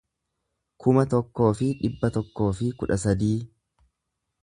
kuma tokkoo fi dhibba tokkoo fi kudha sadii